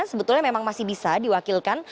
sebetulnya memang masih bisa diwakilkan